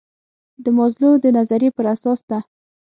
د مازلو د نظریې پر اساس ده.